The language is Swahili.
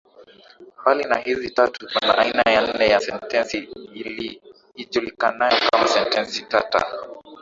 Mbali na hizi tatu, kuna aina ya nne ya sentensi ijulikanayo kama sentensi tata.